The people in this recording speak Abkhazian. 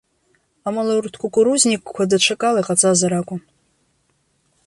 Амала урҭ кукурузникқәа даҽакала иҟаҵазар акәын.